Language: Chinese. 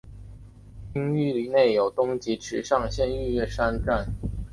町域内有东急池上线御岳山站。